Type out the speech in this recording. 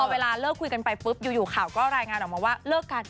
เวลาเลิกคุยกันไปปุ๊บอยู่ข่าวก็รายงานออกมาว่าเลิกกัน